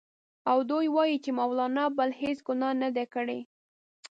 او دوی وايي چې مولنا بله هېڅ ګناه نه ده کړې.